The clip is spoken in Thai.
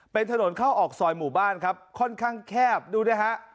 เป็นถนนเข้าออกซอยหมู่บ้านครับค่อนข้างแคบดูนะฮะ